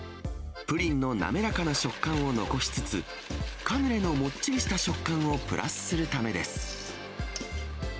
プリンの滑らかな食感を残しつつ、カヌレのもっちりした食感をプラスするためです。